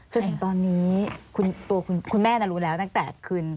จนตอนนี้คุณแม่น่ารู้แล้วตั้งแต่คืน